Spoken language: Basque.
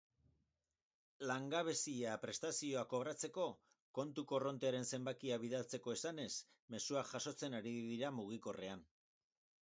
Langabezia-prestazioa kobratzeko kontu korrontearen zenbakia bidaltzeko esanez mezuak jasotzen ari dira mugikorrean.